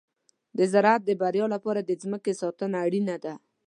د زراعت د بریا لپاره د مځکې ساتنه اړینه ده.